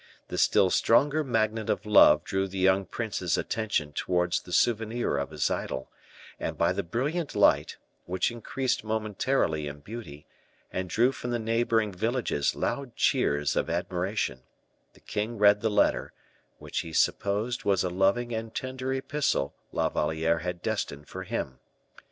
The still stronger magnet of love drew the young prince's attention towards the souvenir of his idol; and, by the brilliant light, which increased momentarily in beauty, and drew from the neighboring villages loud cheers of admiration, the king read the letter, which he supposed was a loving and tender epistle La Valliere had destined for him.